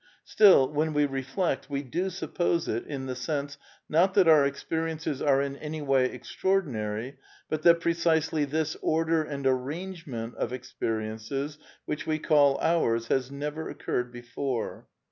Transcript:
Still, when we reflect, we do suppose it, in the sense, not that our experiences are in any way extraordinary, but that precisely this order and \ arrangement of experiences which we call ours has never J occurred before.